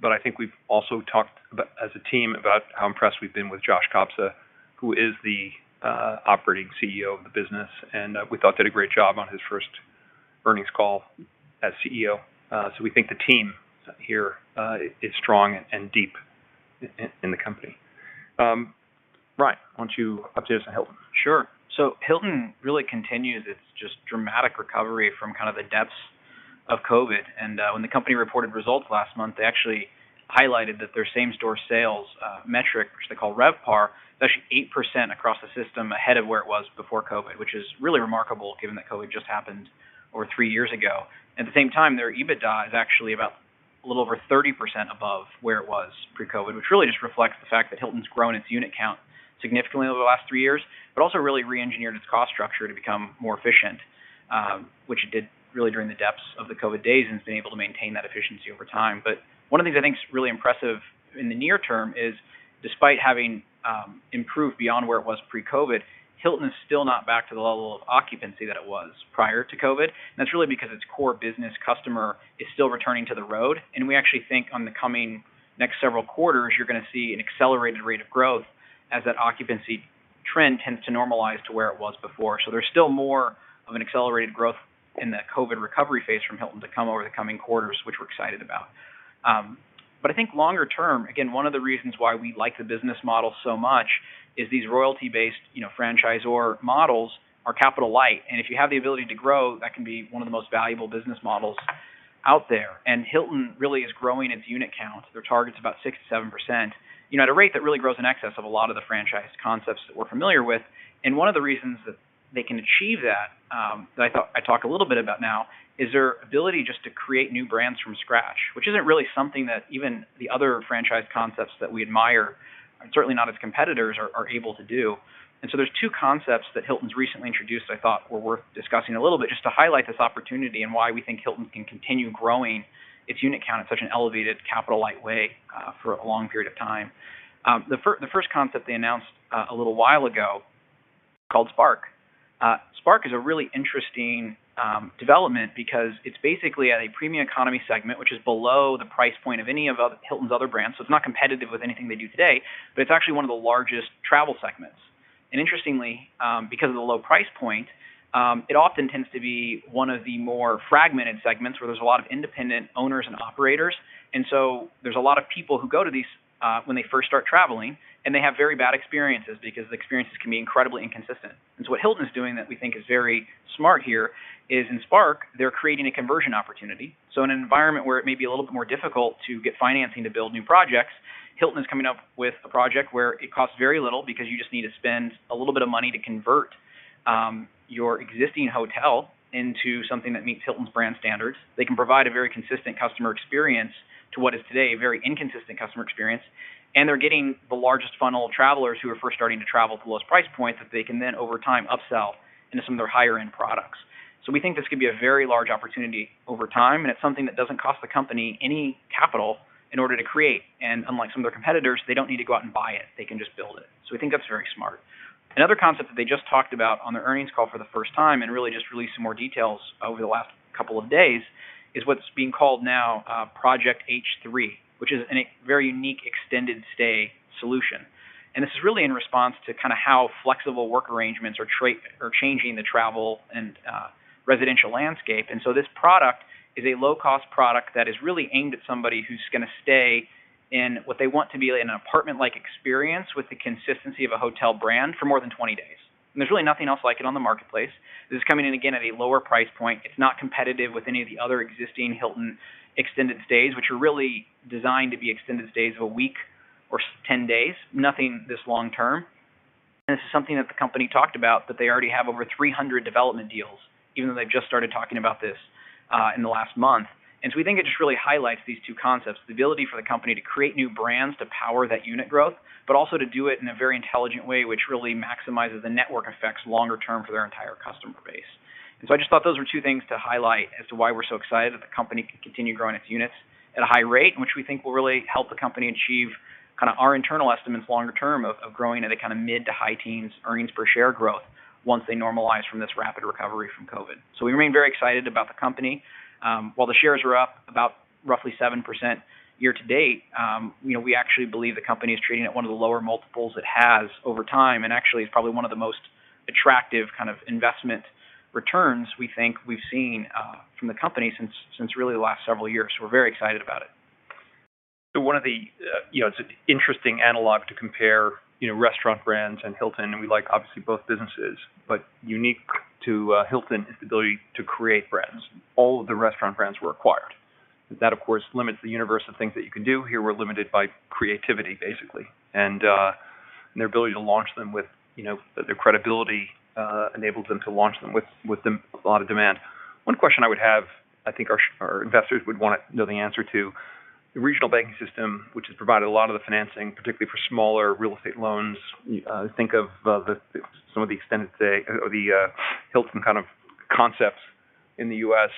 but I think we've also talked as a team about how impressed we've been with Josh Kobza, who is the operating CEO of the business, and we thought did a great job on his first earnings call as CEO. We think the team here is strong and deep in the company. Brian, why don't you update us on Hilton? Sure. Hilton really continues its just dramatic recovery from kind of the depths of COVID. When the company reported results last month, they actually highlighted that their same-store sales metric, which they call RevPAR, is actually 8% across the system ahead of where it was before COVID, which is really remarkable given that COVID just happened over three years ago. At the same time, their EBITDA is actually about a little over 30% above where it was pre-COVID, which really just reflects the fact that Hilton's grown its unit count significantly over the last three years, but also really re-engineered its cost structure to become more efficient, which it did really during the depths of the COVID days and has been able to maintain that efficiency over time. One of the things I think is really impressive in the near term is despite having improved beyond where it was pre-COVID, Hilton is still not back to the level of occupancy that it was prior to COVID. That's really because its core business customer is still returning to the road. We actually think on the coming next several quarters, you're gonna see an accelerated rate of growth as that occupancy trend tends to normalize to where it was before. There's still more of an accelerated growth in that COVID recovery phase from Hilton to come over the coming quarters, which we're excited about. I think longer term, again, one of the reasons why we like the business model so much is these royalty-based, you know, franchisor models are capital light. If you have the ability to grow, that can be one of the most valuable business models out there. Hilton really is growing its unit count. Their target's about 67%, you know, at a rate that really grows in excess of a lot of the franchise concepts that we're familiar with. One of the reasons that they can achieve that I talk a little bit about now, is their ability just to create new brands from scratch, which isn't really something that even the other franchise concepts that we admire Certainly not as competitors are able to do. There's 2 concepts that Hilton's recently introduced, I thought were worth discussing a little bit just to highlight this opportunity and why we think Hilton can continue growing its unit count at such an elevated capital light way for a long period of time. The first concept they announced a little while ago, called Spark. Spark is a really interesting development because it's basically at a premium economy segment, which is below the price point of any of Hilton's other brands. It's not competitive with anything they do today, but it's actually one of the largest travel segments. Interestingly, because of the low price point, it often tends to be one of the more fragmented segments where there's a lot of independent owners and operators. There's a lot of people who go to these, when they first start traveling, and they have very bad experiences because the experiences can be incredibly inconsistent. What Hilton is doing that we think is very smart here is in Spark, they're creating a conversion opportunity. In an environment where it may be a little bit more difficult to get financing to build new projects, Hilton is coming up with a project where it costs very little because you just need to spend a little bit of money to convert your existing hotel into something that meets Hilton's brand standards. They can provide a very consistent customer experience to what is today a very inconsistent customer experience. They're getting the largest funnel of travelers who are first starting to travel to the lowest price points that they can then over time upsell into some of their higher end products. We think this could be a very large opportunity over time, and it's something that doesn't cost the company any capital in order to create. Unlike some of their competitors, they don't need to go out and buy it. They can just build it. We think that's very smart. Another concept that they just talked about on their earnings call for the first time and really just released some more details over the last couple of days, is what's being called now, Project H3, which is a very unique extended stay solution. This is really in response to kind of how flexible work arrangements are changing the travel and residential landscape. So this product is a low-cost product that is really aimed at somebody who's gonna stay in what they want to be an apartment-like experience with the consistency of a Hilton brand for more than 20 days. There's really nothing else like it on the marketplace. This is coming in again at a lower price point. It's not competitive with any of the other existing Hilton extended stays, which are really designed to be extended stays of a week or 10 days, nothing this long term. This is something that the company talked about, that they already have over 300 development deals, even though they've just started talking about this in the last month. We think it just really highlights these two concepts. The ability for the company to create new brands to power that unit growth, but also to do it in a very intelligent way, which really maximizes the network effects longer term for their entire customer base. I just thought those were two things to highlight as to why we're so excited that the company can continue growing its units at a high rate, which we think will really help the company achieve kind of our internal estimates longer term of growing at a kind of mid to high teens earnings per share growth once they normalize from this rapid recovery from COVID-19. We remain very excited about the company. While the shares are up about roughly 7% year to date, you know, we actually believe the company is trading at one of the lower multiples it has over time. Actually, it's probably one of the most attractive kind of investment returns we think we've seen from the company since really the last several years. We're very excited about it. One of the, you know, it's an interesting analog to compare, you know, restaurant brands and Hilton, and we like obviously both businesses. Unique to Hilton is the ability to create brands. All of the restaurant brands were acquired. That, of course, limits the universe of things that you can do. Here, we're limited by creativity, basically. And their ability to launch them with, you know, their credibility enables them to launch them with a lot of demand. One question I would have, I think our investors would wanna know the answer to. The regional banking system, which has provided a lot of the financing, particularly for smaller real estate loans. Think of some of the extended stay or the Hilton kind of concepts in the U.S.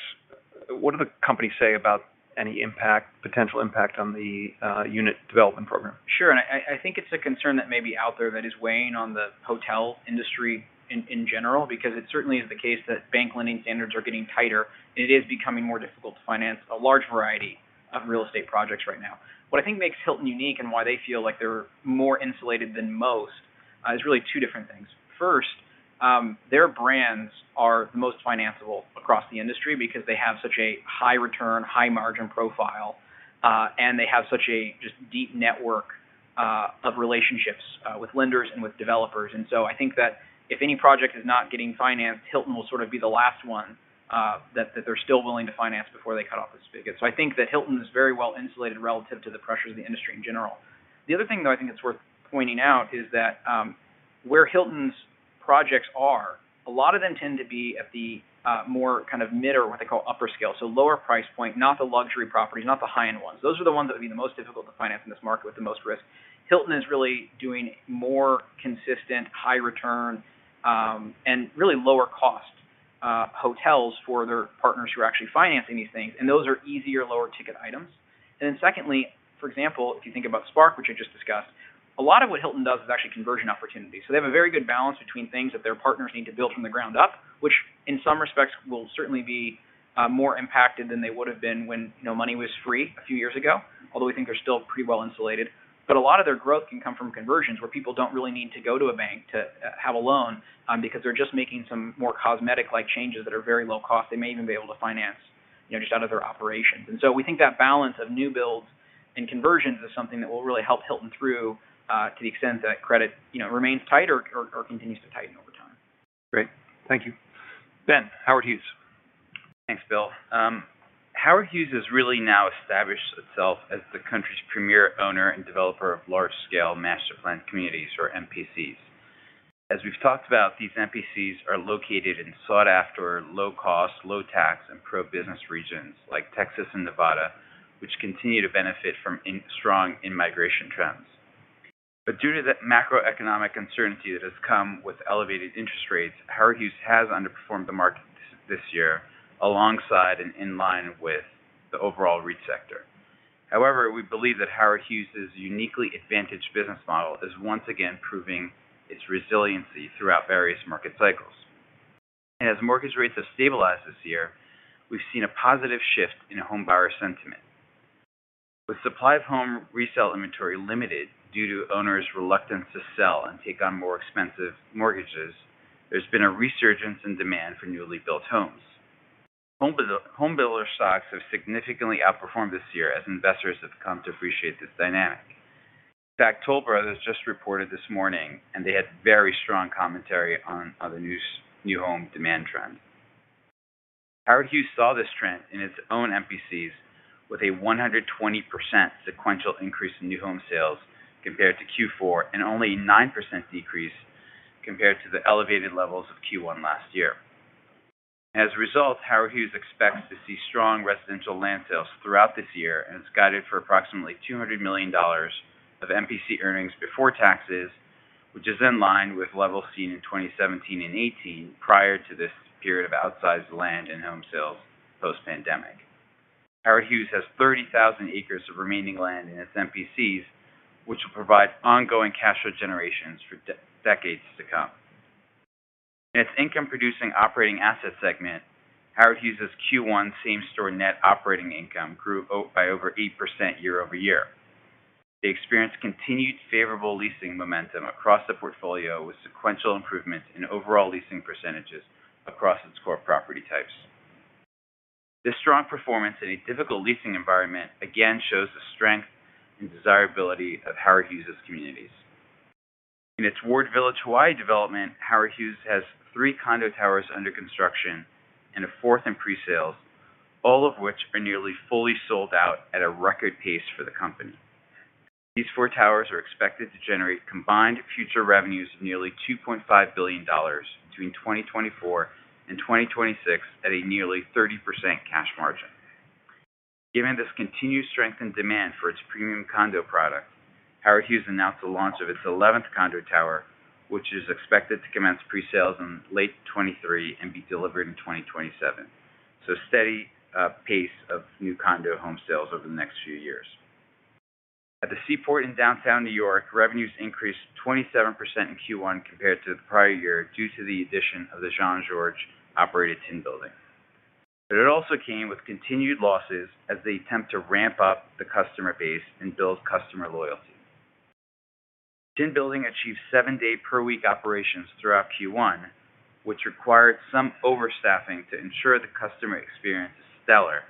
What do the companies say about any impact, potential impact on the unit development program? Sure. I think it's a concern that may be out there that is weighing on the hotel industry in general, because it certainly is the case that bank lending standards are getting tighter. It is becoming more difficult to finance a large variety of real estate projects right now. What I think makes Hilton unique and why they feel like they're more insulated than most, is really two different things. First, their brands are the most financeable across the industry because they have such a high return, high margin profile, and they have such a just deep network of relationships with lenders and with developers. I think that if any project is not getting financed, Hilton will sort of be the last one that they're still willing to finance before they cut off this spigot. I think that Hilton is very well insulated relative to the pressure of the industry in general. The other thing, though, I think it's worth pointing out is that, where Hilton's projects are, a lot of them tend to be at the more kind of mid or what they call upper scale. Lower price point, not the luxury properties, not the high-end ones. Those are the ones that would be the most difficult to finance in this market with the most risk. Hilton is really doing more consistent high return, and really lower cost, hotels for their partners who are actually financing these things, and those are easier, lower ticket items. Secondly, for example, if you think about Spark, which I just discussed, a lot of what Hilton does is actually conversion opportunities. They have a very good balance between things that their partners need to build from the ground up, which in some respects will certainly be more impacted than they would have been when, you know, money was free a few years ago. Although we think they're still pretty well insulated. A lot of their growth can come from conversions where people don't really need to go to a bank to have a loan because they're just making some more cosmetic-like changes that are very low cost. They may even be able to finance, you know, just out of their operations. We think that balance of new builds and conversions is something that will really help Hilton through to the extent that credit, you know, remains tight or, or continues to tighten over time. Great. Thank you. Ben, Howard Hughes. Thanks, Bill. Howard Hughes has really now established itself as the country's premier owner and developer of large scale master planned communities or MPCs. As we've talked about, these MPCs are located in sought-after, low cost, low tax, and pro-business regions like Texas and Nevada, which continue to benefit from strong in-migration trends. Due to the macroeconomic uncertainty that has come with elevated interest rates, Howard Hughes has underperformed the market this year alongside and in line with the overall REIT sector. However, we believe that Howard Hughes' uniquely advantaged business model is once again proving its resiliency throughout various market cycles. As mortgage rates have stabilized this year, we've seen a positive shift in homebuyer sentiment. With supply of home resale inventory limited due to owners' reluctance to sell and take on more expensive mortgages, there's been a resurgence in demand for newly built homes. Home builder stocks have significantly outperformed this year as investors have come to appreciate this dynamic. In fact, Toll Brothers just reported this morning, and they had very strong commentary on new home demand trend. Howard Hughes saw this trend in its own MPCs with a 120% sequential increase in new home sales compared to Q4 and only 9% decrease compared to the elevated levels of Q1 last year. As a result, Howard Hughes expects to see strong residential land sales throughout this year, and it's guided for approximately $200 million of MPC earnings before taxes, which is in line with levels seen in 2017 and 2018 prior to this period of outsized land and home sales post-pandemic. Howard Hughes has 30,000 acres of remaining land in its MPCs, which will provide ongoing cash flow generations for decades to come. In its income-producing operating asset segment, Howard Hughes' Q1 same-store net operating income grew by over 8% year-over-year. They experienced continued favorable leasing momentum across the portfolio, with sequential improvements in overall leasing percentages across its core property types. This strong performance in a difficult leasing environment again shows the strength and desirability of Howard Hughes' communities. In its Ward Village Hawaii development, Howard Hughes has three condo towers under construction and a fourth in presales, all of which are nearly fully sold out at a record pace for the company. These four towers are expected to generate combined future revenues of nearly $2.5 billion between 2024 and 2026 at a nearly 30% cash margin. Given this continued strength and demand for its premium condo product, Howard Hughes announced the launch of its eleventh condo tower, which is expected to commence presales in late 2023 and be delivered in 2027. A steady pace of new condo home sales over the next few years. At the Seaport in downtown New York, revenues increased 27% in Q1 compared to the prior year due to the addition of the Jean-Georges-operated Tin Building. It also came with continued losses as they attempt to ramp up the customer base and build customer loyalty. Tin Building achieved seven-day per week operations throughout Q1, which required some overstaffing to ensure the customer experience is stellar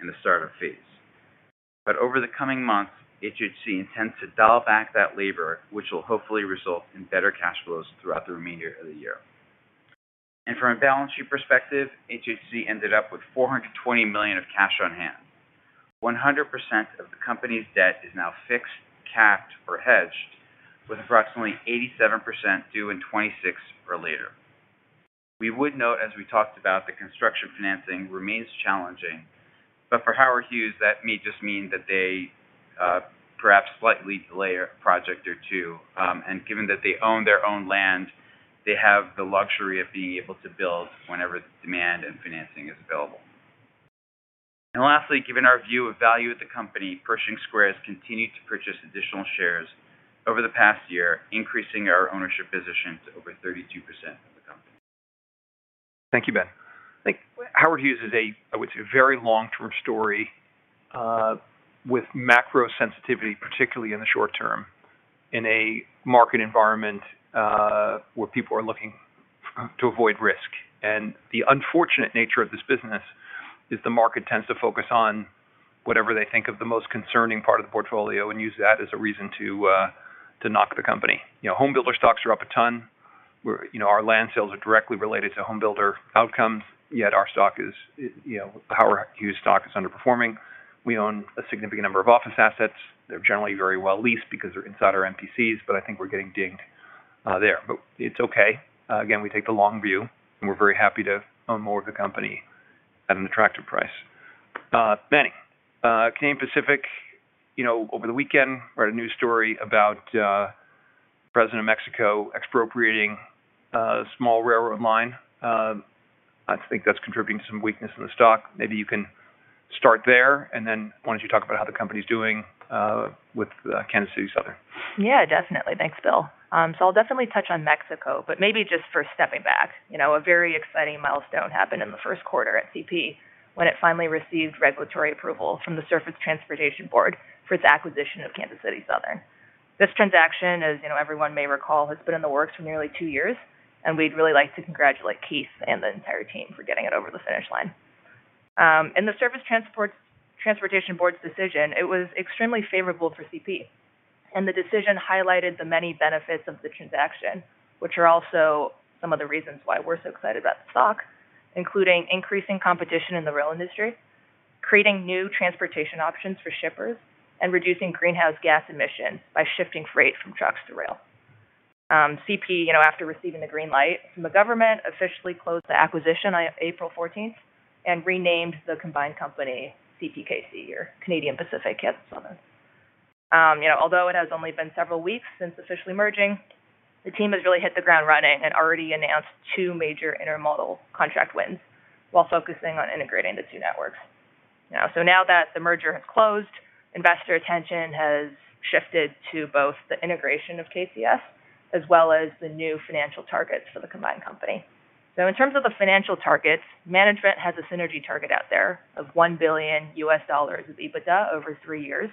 in the start-up phase. Over the coming months, HHC intends to dial back that labor, which will hopefully result in better cash flows throughout the remainder of the year. From a balance sheet perspective, HHC ended up with $420 million of cash on hand. 100% of the company's debt is now fixed, capped or hedged, with approximately 87% due in 2026 or later. We would note, as we talked about, the construction financing remains challenging. For Howard Hughes, that may just mean that they perhaps slightly delay a project or two. Given that they own their own land, they have the luxury of being able to build whenever the demand and financing is available. Lastly, given our view of value at the company, Pershing Square has continued to purchase additional shares over the past year, increasing our ownership position to over 32% of the company. Thank you, Ben. I think Howard Hughes is a, I would say, very long-term story, with macro sensitivity, particularly in the short term, in a market environment, where people are looking to avoid risk. The unfortunate nature of this business is the market tends to focus on whatever they think of the most concerning part of the portfolio and use that as a reason to knock the company. You know, home builder stocks are up a ton. You know, our land sales are directly related to home builder outcomes, yet our stock is, you know, Howard Hughes stock is underperforming. We own a significant number of office assets. They're generally very well leased because they're inside our MPCs, but I think we're getting dinged there. It's okay. Again, we take the long view, and we're very happy to own more of the company at an attractive price. Manning, Canadian Pacific, you know, over the weekend, read a news story about, President of Mexico expropriating a small railroad line. I think that's contributing to some weakness in the stock. Maybe you can start there, and then why don't you talk about how the company's doing with Kansas City Southern? Yeah, definitely. Thanks, Bill. I'll definitely touch on Mexico, but maybe just first stepping back. You know, a very exciting milestone happened in the 1st quarter at CP when it finally received regulatory approval from the Surface Transportation Board for its acquisition of Kansas City Southern. This transaction, as you know, everyone may recall, has been in the works for nearly 2 years, and we'd really like to congratulate Keith and the entire team for getting it over the finish line. The Surface Transportation Board's decision, it was extremely favorable for CP. The decision highlighted the many benefits of the transaction, which are also some of the reasons why we're so excited about the stock, including increasing competition in the rail industry Creating new transportation options for shippers and reducing greenhouse gas emissions by shifting freight from trucks to rail. CP, you know, after receiving the green light from the government, officially closed the acquisition on April 14th and renamed the combined company CPKC or Canadian Pacific Kansas City. You know, although it has only been several weeks since officially merging, the team has really hit the ground running and already announced two major intermodal contract wins while focusing on integrating the two networks. Now that the merger has closed, investor attention has shifted to both the integration of KCS as well as the new financial targets for the combined company. In terms of the financial targets, management has a synergy target out there of $1 billion of EBITDA over three years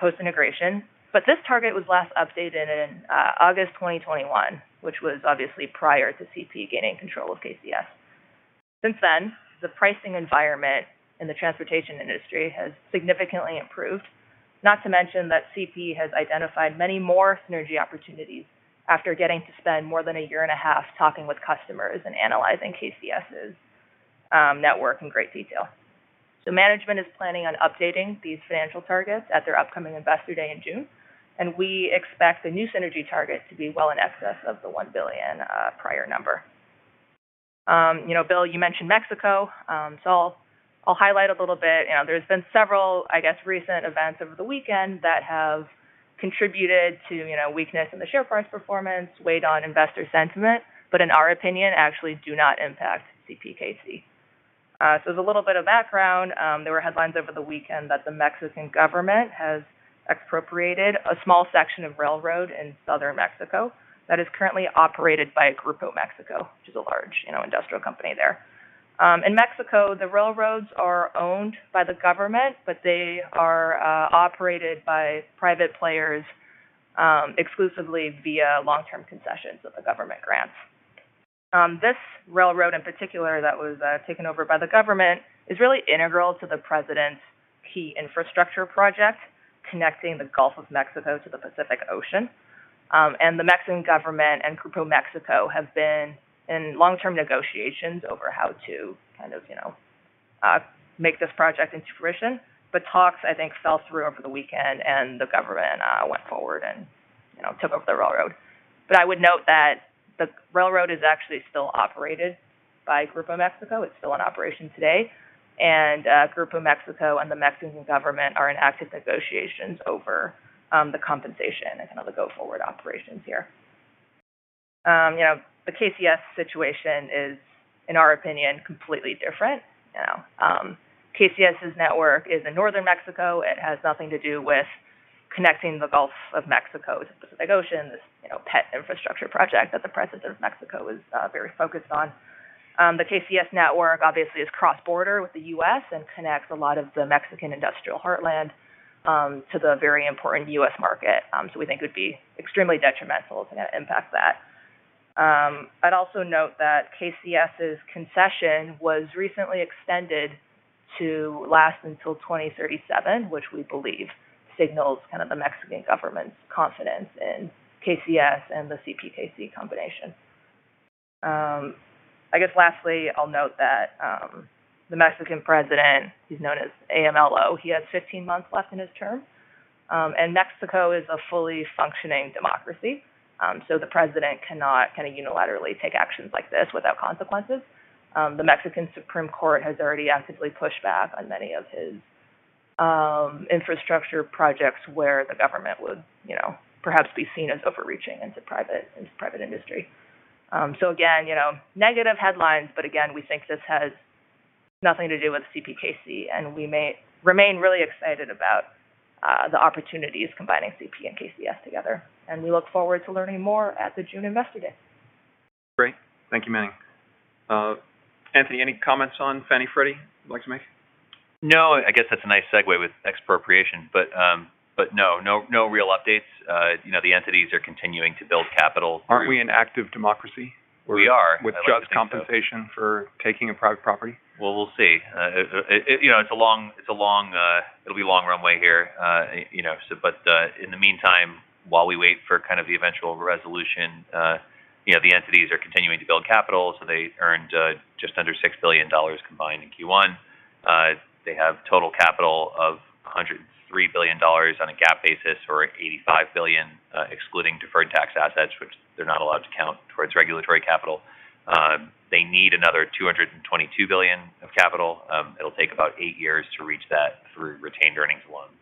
post-integration. This target was last updated in August 2021, which was obviously prior to CP gaining control of KCS. Since then, the pricing environment in the transportation industry has significantly improved. Not to mention that CP has identified many more synergy opportunities after getting to spend more than a year and a half talking with customers and analyzing KCS's network in great detail. Management is planning on updating these financial targets at their upcoming Investor Day in June, and we expect the new synergy target to be well in excess of the $1 billion prior number. You know, Bill, you mentioned Mexico. I'll highlight a little bit. You know, there's been several, I guess, recent events over the weekend that have contributed to, you know, weakness in the share price performance, weighed on investor sentiment, but in our opinion, actually do not impact CPKC. There's a little bit of background. There were headlines over the weekend that the Mexican government has expropriated a small section of railroad in southern Mexico that is currently operated by Grupo México, which is a large, you know, industrial company there. In Mexico, the railroads are owned by the government, but they are operated by private players, exclusively via long-term concessions of the government grants. This railroad in particular that was taken over by the government is really integral to the president's key infrastructure project connecting the Gulf of Mexico to the Pacific Ocean. The Mexican government and Grupo México have been in long-term negotiations over how to kind of, you know, make this project into fruition. Talks, I think, fell through over the weekend and the government went forward and, you know, took over the railroad. I would note that the railroad is actually still operated by Grupo México. It's still in operation today. Grupo México and the Mexican government are in active negotiations over the compensation and kind of the go-forward operations here. You know, the KCS situation is, in our opinion, completely different. You know, KCS's network is in northern Mexico. It has nothing to do with connecting the Gulf of Mexico to the Pacific Ocean, this, you know, pet infrastructure project that the President of Mexico is very focused on. The KCS network obviously is cross-border with the U.S. and connects a lot of the Mexican industrial heartland to the very important U.S. market. We think it would be extremely detrimental to impact that. I'd also note that KCS's concession was recently extended to last until 2037, which we believe signals kind of the Mexican government's confidence in KCS and the CPKC combination. I guess lastly, I'll note that the Mexican president, he's known as AMLO, he has 15 months left in his term. Mexico is a fully functioning democracy, so the president cannot kind of unilaterally take actions like this without consequences. The Mexican Supreme Court has already actively pushed back on many of his infrastructure projects where the government would, you know, perhaps be seen as overreaching into private industry. Again, you know, negative headlines, but again, we think this has nothing to do with CPKC, and we remain really excited about the opportunities combining CP and KCS together. We look forward to learning more at the June Investor Day. Great. Thank you, Manning. Anthony, any comments on Fannie/Freddie you'd like to make? I guess that's a nice segue with expropriation, but no, no real updates. Aren't we an active democracy? We are. With just compensation for taking a private property. Well, we'll see. You know, it's a long runway here. You know, in the meantime, while we wait for kind of the eventual resolution, you know, the entities are continuing to build capital. They earned just under $6 billion combined in Q1. They have total capital of $103 billion on a GAAP basis or $85 billion excluding deferred tax assets, which they're not allowed to count towards regulatory capital. They need another $222 billion of capital. It'll take about eight years to reach that through retained earnings alone.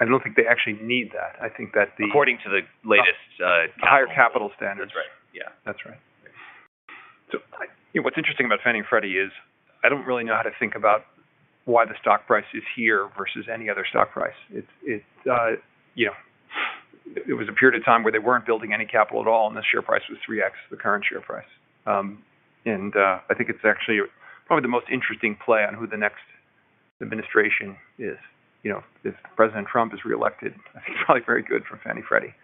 I don't think they actually need that. I think that. According to the latest, The higher capital standards. That's right. Yeah. That's right. You know, what's interesting about Fannie and Freddie is I don't really know how to think about why the stock price is here versus any other stock price. It's, you know, it was a period of time where they weren't building any capital at all, and the share price was 3x the current share price. I think it's actually probably the most interesting play on who the next administration is. You know, if President Trump is reelected, I think it's probably very good for Fannie and Freddie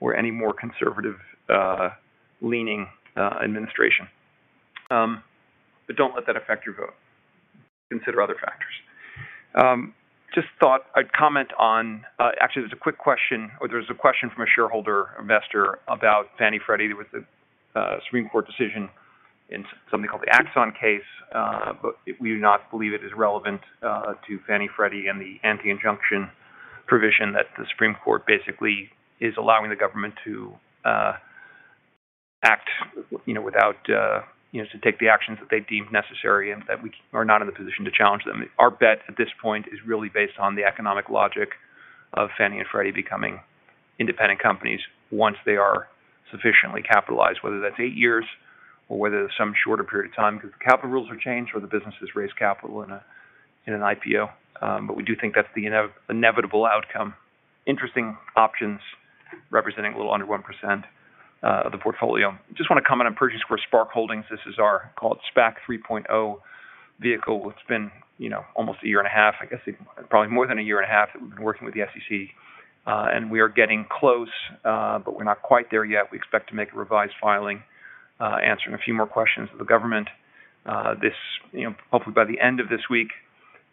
or any more conservative, leaning administration. Don't let that affect your vote. Consider other factors. Just thought I'd actually, there's a question from a shareholder investor about Fannie and Freddie. There was a Supreme Court decision in something called the Axon case, but we do not believe it is relevant to Fannie and Freddie and the anti-injunction provision that the Supreme Court basically is allowing the government to act, you know, without, you know, to take the actions that they deem necessary and that we are not in a position to challenge them. Our bet at this point is really based on the economic logic of Fannie and Freddie becoming independent companies once they are sufficiently capitalized, whether that's 8 years or whether it's some shorter period of time because the capital rules are changed or the businesses raise capital in an IPO. We do think that's the inevitable outcome. Interesting options representing a little under 1% of the portfolio. Just want to comment on Pershing Square SPARC Holdings. This is our called SPAC 3.0 vehicle. It's been, you know, almost a year and a half, I guess, probably more than a year and a half that we've been working with the SEC, and we are getting close, but we're not quite there yet. We expect to make a revised filing, answering a few more questions with the government. This, you know, hopefully by the end of this week.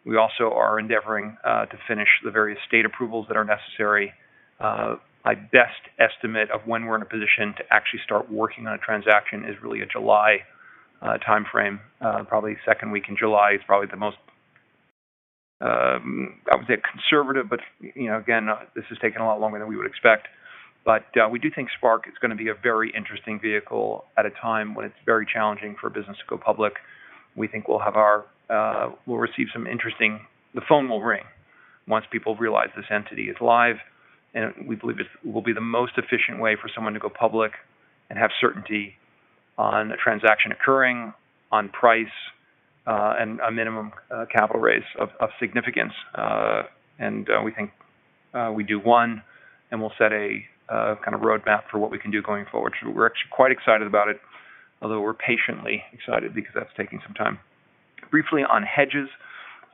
We also are endeavoring to finish the various state approvals that are necessary. My best estimate of when we're in a position to actually start working on a transaction is really a July timeframe. Probably second week in July is probably the most, I would say conservative, but, you know, again, this has taken a lot longer than we would expect. We do think Spark is going to be a very interesting vehicle at a time when it's very challenging for a business to go public. We think the phone will ring once people realize this entity is live. We believe this will be the most efficient way for someone to go public and have certainty on a transaction occurring, on price, and a minimum capital raise of significance. We think we do one, and we'll set a kind of roadmap for what we can do going forward. We're actually quite excited about it, although we're patiently excited because that's taking some time. Briefly on hedges.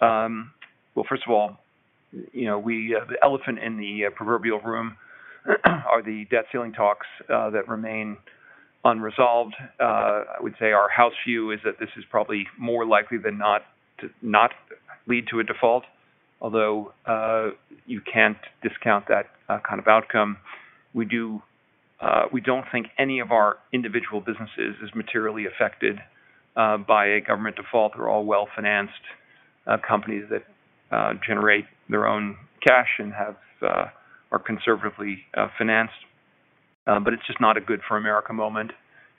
Well, first of all, you know, we the elephant in the proverbial room are the debt ceiling talks that remain unresolved. I would say our house view is that this is probably more likely than not to not lead to a default, although, you can't discount that kind of outcome. We don't think any of our individual businesses is materially affected by a government default. They're all well-financed companies that generate their own cash and have are conservatively financed. It's just not a good for America moment,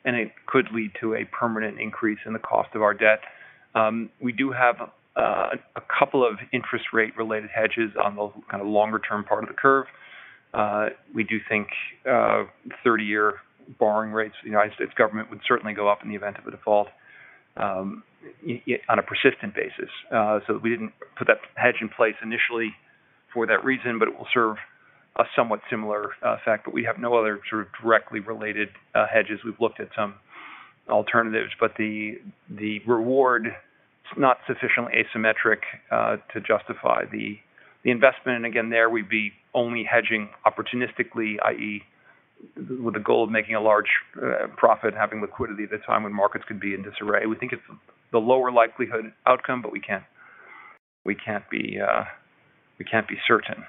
and it could lead to a permanent increase in the cost of our debt. We do have a couple of interest rate-related hedges on the kind of longer-term part of the curve. We do think 30-year borrowing rates for the United States government would certainly go up in the event of a default on a persistent basis. We didn't put that hedge in place initially for that reason, but it will serve a somewhat similar fact. We have no other sort of directly related hedges. We've looked at some alternatives, but the reward is not sufficiently asymmetric to justify the investment. Again, there we'd be only hedging opportunistically, i.e., with the goal of making a large profit, having liquidity at a time when markets could be in disarray. We think it's the lower likelihood outcome, but we can't be certain.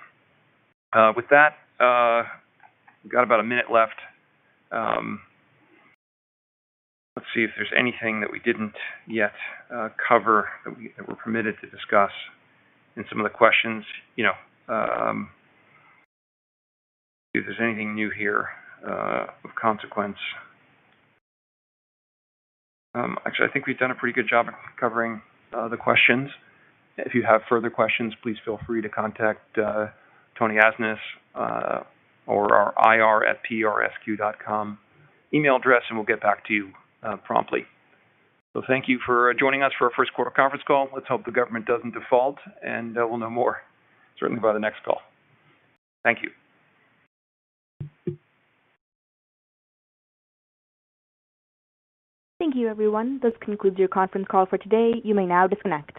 With that, we've got about one minute left. Let's see if there's anything that we didn't yet cover that we're permitted to discuss in some of the questions. You know, if there's anything new here of consequence. Actually, I think we've done a pretty good job in covering the questions. If you have further questions, please feel free to contact Tony Asnes or our ir@persq.com email address, and we'll get back to you promptly. Thank you for joining us for our Q1 conference call. Let's hope the government doesn't default, and we'll know more certainly by the next call. Thank you. Thank you, everyone. This concludes your conference call for today. You may now disconnect.